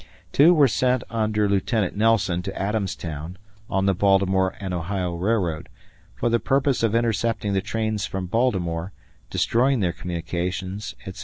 Two were sent under Lieutenant Nelson, to Adamstown, on the Baltimore and Ohio Railroad, for the purpose of intercepting the trains from Baltimore, destroying their communications, etc.